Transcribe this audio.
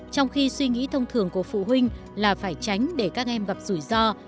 trong khi suy nghĩ thông thường của phụ huynh là phải tránh để các em gặp rủi ro